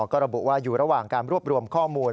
ก็ระบุว่าอยู่ระหว่างการรวบรวมข้อมูล